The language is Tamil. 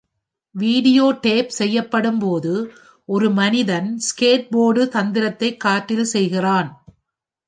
வீடியோ டேப் செய்யப்படும்போது ஒரு மனிதன் ஸ்கேட்போர்டு தந்திரத்தை காற்றில் செய்கிறான்.